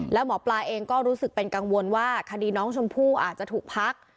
แล้วหมอปลาเองก็รู้สึกเป็นกังวลว่าคดีน้องชมพู่อาจจะถูกพัก